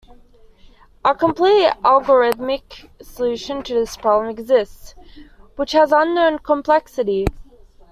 A complete algorithmic solution to this problem exists, which has unknown complexity.